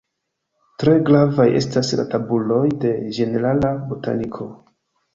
Tre gravaj estas la tabuloj de ĝenerala botaniko.